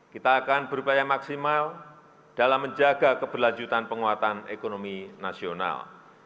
kita akan berupaya maksimal dalam menjaga keberlanjutan penguatan ekonomi nasional